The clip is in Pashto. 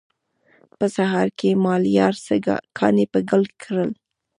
په سهار کې مالیار څه کانې په ګل کړي.